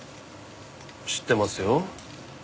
知ってますよ。